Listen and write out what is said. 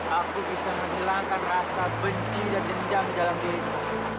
aku bisa menghilangkan rasa benci dan dendam di dalam dirimu